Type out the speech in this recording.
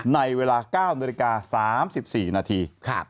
ในเวลา๙นาฬิกา๓๔นาที